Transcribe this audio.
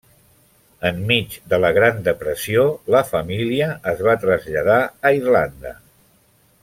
Enmig de la Gran Depressió, la família es va traslladar a Irlanda.